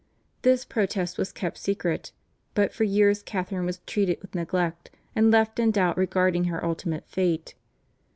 This protest was kept secret, but for years Catharine was treated with neglect and left in doubt regarding her ultimate fate.